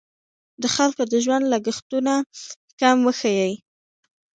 د خلکو د ژوند لګښتونه کم وښیي.